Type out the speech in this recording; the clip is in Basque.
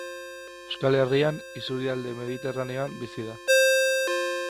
Euskal Herrian isurialde mediterraneoan bizi da.